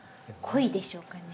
恋でしょうかね。